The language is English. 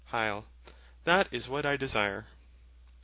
That is what I desire.